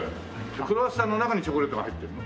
クロワッサンの中にチョコレートが入ってるの？